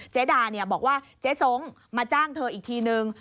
เจ๊ดาบอกว่าเจ๊ส้งมาจ้างเธออีกทีนึง